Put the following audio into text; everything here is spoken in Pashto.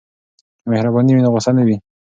که مهرباني وي نو غوسه نه وي.